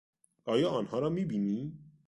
آیا آنها را می بینی؟